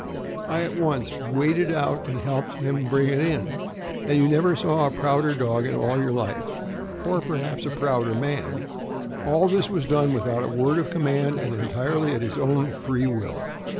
I at once waded out and helped him bring it in, and you never saw a prouder dog in all your life, or perhaps a prouder man. All this was done without a word of command and entirely at his own free will.